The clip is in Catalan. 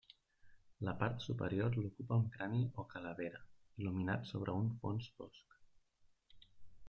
La part superior l'ocupa un crani o calavera, il·luminat sobre un fons fosc.